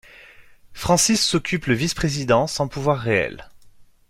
Francis s'occupe le vice-président sans pouvoir réel.